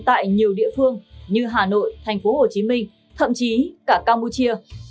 tại nhiều địa phương như hà nội thành phố hồ chí minh thậm chí cả campuchia